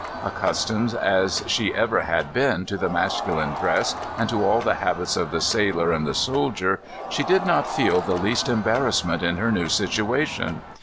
Accustomed as she ever had been to the masculine dress, and to all the habits of the sailor and the soldier, she did not feel the least embarrassment in her new situation.